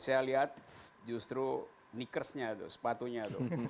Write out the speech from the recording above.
saya lihat justru knickers nya sepatunya